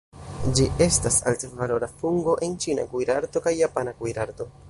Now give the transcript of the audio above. Ĝi estas altvalora fungo en ĉina kuirarto kaj japana kuirarto.